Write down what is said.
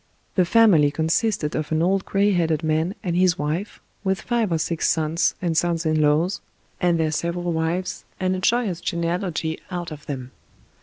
The family consisted of an old gray headed man and his wife, with five or six sons and sons in laws, and their sev eral wives, and a joyous genealogy out of them.